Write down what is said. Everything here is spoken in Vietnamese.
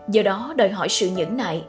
do đó đòi hỏi sự nhẫn nại